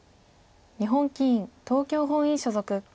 日本棋院東京本院所属。